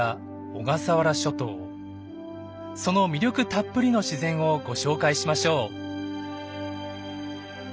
その魅力たっぷりの自然をご紹介しましょう。